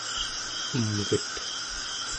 umget